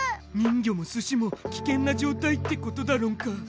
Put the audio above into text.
人魚もスシも危険な状態ってことだろんか。